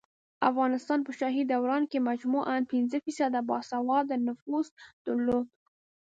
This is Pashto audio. افغانستان په شاهي دوران کې مجموعاً پنځه فیصده باسواده نفوس درلود